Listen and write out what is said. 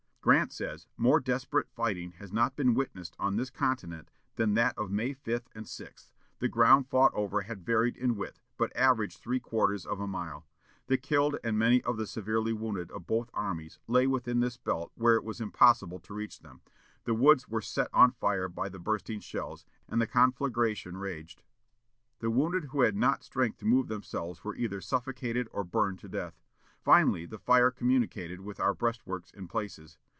Grant says, "More desperate fighting has not been witnessed on this continent than that of May 5 and 6.... The ground fought over had varied in width, but averaged three quarters of a mile. The killed and many of the severely wounded of both armies lay within this belt where it was impossible to reach them. The woods were set on fire by the bursting shells, and the conflagration raged. The wounded who had not strength to move themselves were either suffocated or burned to death. Finally the fire communicated with our breastworks in places.